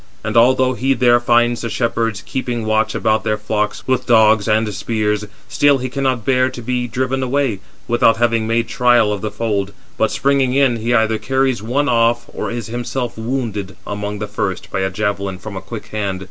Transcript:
And although he there find the shepherds keeping watch about their flocks with dogs and spears, still he cannot bear to be driven away, without having made trial of the fold, but, springing in, he either carries [one] off, or is himself wounded among the first by a javelin from a quick hand.